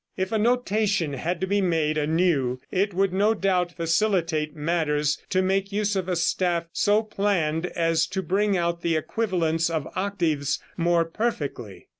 If a notation had to be made anew it would no doubt facilitate matters to make use of a staff so planned as to bring out the equivalence of octaves more perfectly.